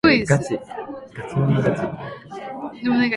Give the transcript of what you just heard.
早くあなたの頭に瓶の中の香水をよく振りかけてください